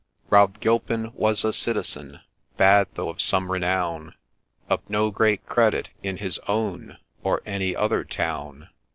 Rob Gilpin ' was a citizen ;' But though of some ' renown, Of no great ' credit ' in his own, Or any other town.